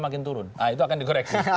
makin turun nah itu akan dikoreksi